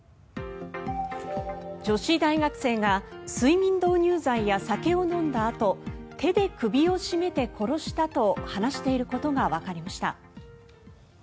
女子大学生が睡眠導入剤や酒を飲んだあと手で首を絞めて殺したと話していることがわかりました。